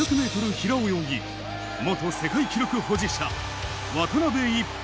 平泳ぎ元世界記録保持者、渡辺一平。